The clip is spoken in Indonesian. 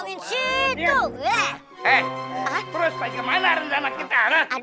terus balik kemana rendana kita